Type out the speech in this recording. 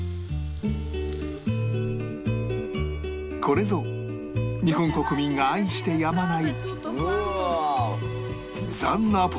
これぞ日本国民が愛してやまないうわー！